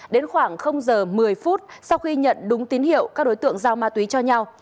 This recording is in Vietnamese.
đến khoảng giờ một mươi phút sau khi nhận đúng tín hiệu các đối tượng giao ma túy cho nhau